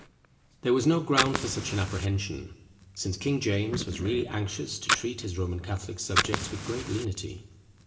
There was no ground for such an apprehension, since King James was really anxious to treat his Roman Catholic subjects with great lenity.